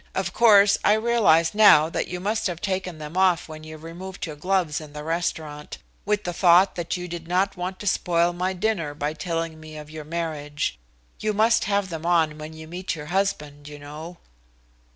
"Of course I realize now that you must have taken them off when you removed your gloves in the restaurant, with the thought that you did not want to spoil my dinner by telling me of your marriage. But you must have them on when you meet your husband, you know."